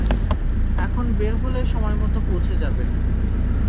এখন বের হলে সময়মতো পৌঁছে যাবে।